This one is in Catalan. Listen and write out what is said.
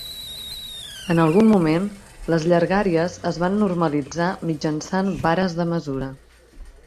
En algun moment, les llargàries es van normalitzar mitjançant vares de mesura.